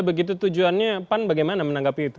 begitu tujuannya pan bagaimana menanggapi itu